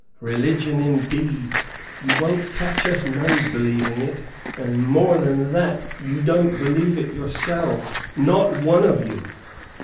Religion indeed! You wont catch us nuns believing it, and more than all that, you don't believe it yourselves, not one of you."